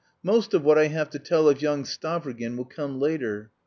Most of what I have to tell of young Stavrogin will come later.